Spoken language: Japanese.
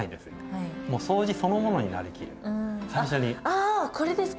あこれですか！